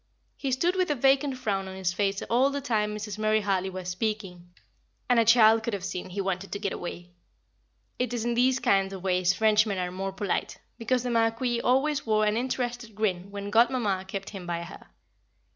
He stood with a vacant frown on his face all the time Mrs. Murray Hartley was speaking, and a child could have seen he wanted to get away. It is in these kind of ways Frenchmen are more polite, because the Marquis always wore an interested grin when Godmamma kept him by her.